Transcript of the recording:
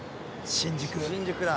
新宿だ。